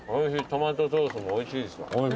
トマトソースもおいしいですわ。